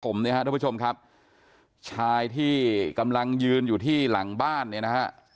ผมเนี่ยฮะทุกผู้ชมครับชายที่กำลังยืนอยู่ที่หลังบ้านเนี่ยนะฮะ